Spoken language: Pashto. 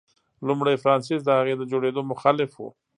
لومړي فرانسیس د هغې د جوړېدو مخالف و.